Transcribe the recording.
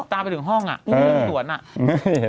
ตามไปถึงห้องนี่ส่วนส่วน